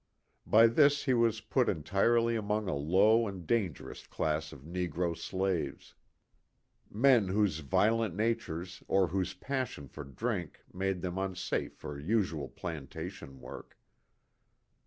By this he was put entirely among a low and dangerous class of negro slaves ; men whose violent natures or whose passion for drink made them unsafe for usual plantation work.